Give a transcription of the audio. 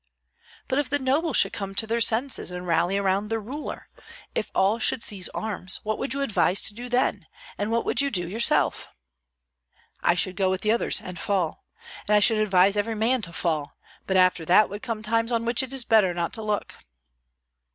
"But if the nobles should come to their senses and rally around their ruler, if all should seize arms, what would you advise to do then, and what would you do yourself?" "I should go with others and fall, and I should advise every man to fall; but after that would come times on which it is better not to look."